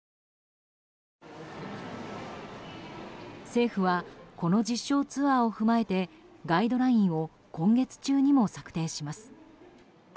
政府はこの実証ツアーを踏まえてガイドラインを今月中にも策定します。